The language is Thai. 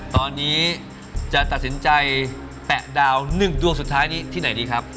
ตอนนี้จะตัดสินใจแปะดาว๑ดวงสุดท้ายนี้ที่ไหนดีครับ